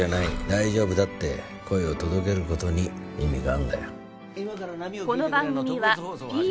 「大丈夫だ」って声を届ける事に意味があるんだよ。